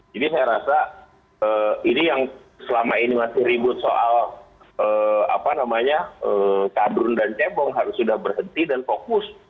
jadi saya rasa ini yang selama ini masih ribut soal kabrun dan cebong harus sudah berhenti dan fokus